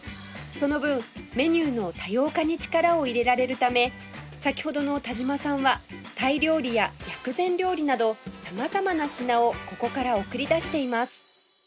その分メニューの多様化に力を入れられるため先ほどの田嶋さんはタイ料理や薬膳料理など様々な品をここから送り出しています